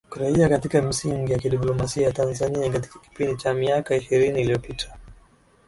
Kurejea katika misingi ya kidiplomasia ya Tanzania Katika kipindi cha miaka ishirini iliyopita